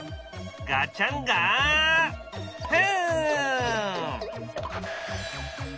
ガチャンガフン！